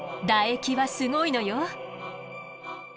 唾液はすごいのよ。